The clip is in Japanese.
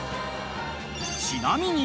［ちなみに］